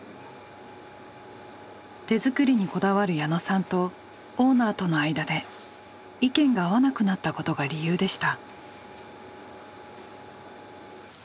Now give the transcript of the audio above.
手作りにこだわる矢野さんとオーナーとの間で意見が合わなくなったことが理由でした。